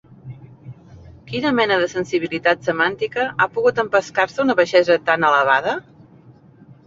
Quina mena de sensibilitat semàntica ha pogut empescar-se una baixesa tan elevada?